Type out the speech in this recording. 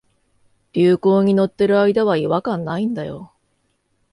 流行に乗ってる間は違和感ないんだよ